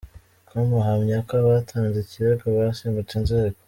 com ahamya ko abatanze ikirego basimbutse inzego.